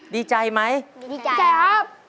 ดีใจไหมดีใจครับ